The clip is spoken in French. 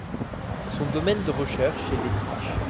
Son domaine de recherche est l'éthique.